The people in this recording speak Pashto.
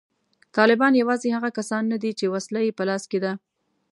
طالبان یوازې هغه کسان نه دي چې وسله یې په لاس کې ده